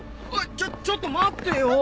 あっちょっと待ってよ！